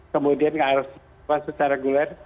kemudian harus secara reguler